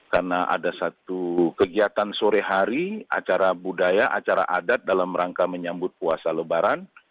karena ada satu kegiatan sore hari acara budaya acara adat dalam rangka menyambut puasa lebaran